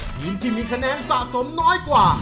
ทีมที่มีคะแนนสะสมน้อยกว่า